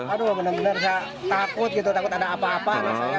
aduh benar benar saya takut gitu takut ada apa apa